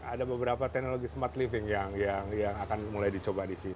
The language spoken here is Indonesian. ada beberapa teknologi smart living yang akan mulai dicoba di sini